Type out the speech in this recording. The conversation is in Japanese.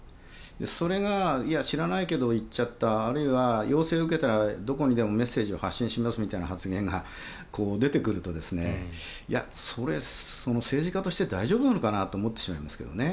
それがいや、知らないけど行っちゃったあるいは要請を受けたらどこにでもメッセージを発信しますみたいな発言が出てくるとそれ、政治家として大丈夫なのかなと思ってしまいますけどね。